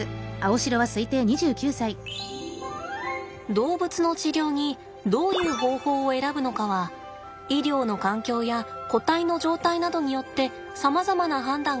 動物の治療にどういう方法を選ぶのかは医療の環境や個体の状態などによってさまざまな判断がありえます。